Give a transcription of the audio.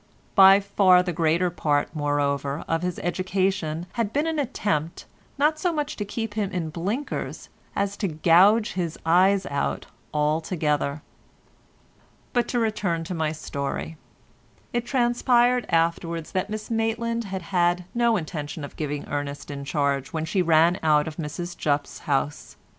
By far the greater part, moreover, of his education had been an attempt, not so much to keep him in blinkers as to gouge his eyes out altogether. But to return to my story. It transpired afterwards that Miss Maitland had had no intention of giving Ernest in charge when she ran out of Mrs Jupp's house.